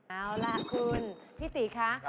เอาล่ะคุณพี่ตีคะ